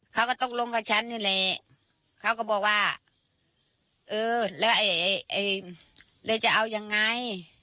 เขาก็ตกลงกับฉันนี่แหละเขาก็บอกว่าเออแล้วเลยจะเอายังไง